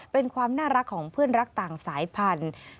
เป็นความน่ารักของเพื่อนรักต่างสายพันธุ์